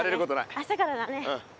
明日からだね。